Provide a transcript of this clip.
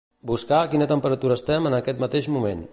Buscar a quina temperatura estem en aquest mateix moment.